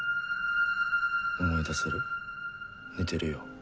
思い出せる似てるよ